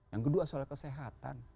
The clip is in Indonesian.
yang kedua soal kesehatan